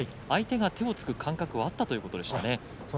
相手が手をつく感覚はあったということでした。